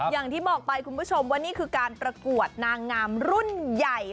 อย่างที่บอกไปคุณผู้ชมว่านี่คือการประกวดนางงามรุ่นใหญ่